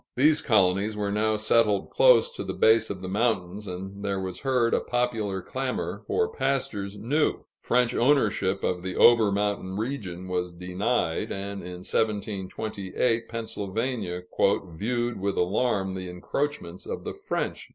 Those colonies were now settled close to the base of the mountains, and there was heard a popular clamor for pastures new. French ownership of the over mountain region was denied, and in 1728 Pennsylvania "viewed with alarm the encroachments of the French."